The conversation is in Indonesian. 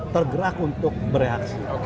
tergerak untuk bereaksi